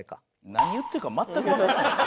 何言ってるか全くわからないです。